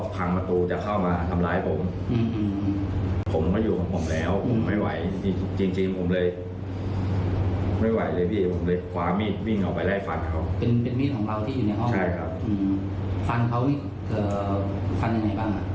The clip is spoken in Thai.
ฟันเขาฟันอย่างไรบ้าง